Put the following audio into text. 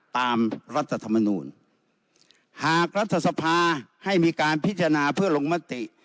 รัฐธรรมนูลหากรัฐสภาให้มีการพิจารณาเพื่อลงมติ